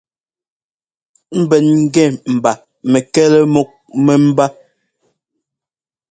Ḿbɛn ŋ́gɛ mba mɛkɛlɛ múk mɛ́mbá.